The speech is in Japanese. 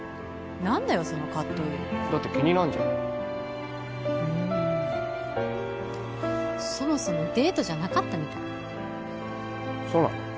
何だよそのカットインだって気になんじゃんうんそもそもデートじゃなかったみたいそうなの？